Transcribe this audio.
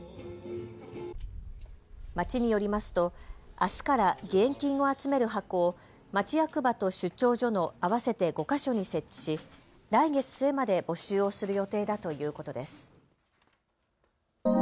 町によりますとあすから義援金を集める箱を町役場と出張所の合わせて５か所に設置し来月末まで募集をする予定だということです。